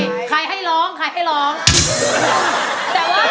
เพื่อจะไปชิงรางวัลเงินล้าน